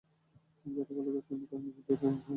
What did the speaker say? যারা ভালো করছে না, তারা নিশ্চয়ই তাদের সমস্যা নিয়ে কাজ করছে।